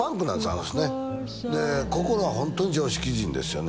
あの人ねで心はホントに常識人ですよね